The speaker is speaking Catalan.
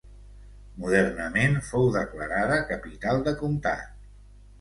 Modernament fou declarada capital de comtat.